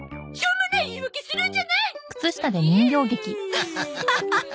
アハハハ！